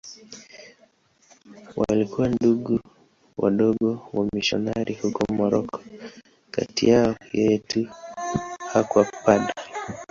Walikuwa Ndugu Wadogo wamisionari huko Moroko.Kati yao yeye tu hakuwa padri.